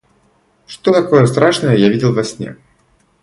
Что такое страшное я видел во сне?